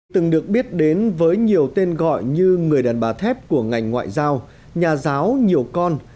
từng được biết đến với nhiều tên gọi như người đàn bà thép của ngành ngoại giao nhà giáo nhiều con